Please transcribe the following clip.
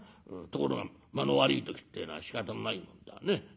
ところが間の悪い時ってえのはしかたのないもんだね。